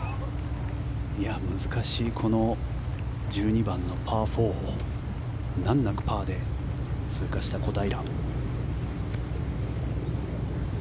難しいこの１２番のパー４をなんなくパーで通過した小平。